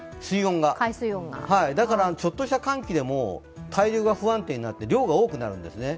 だから、ちょっとした寒気でも太平洋側が不安定になって量が多くなるんですね。